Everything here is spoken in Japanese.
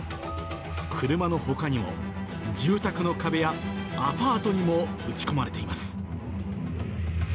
車のほかにも、住宅の壁やアパートにも打ち込まれています。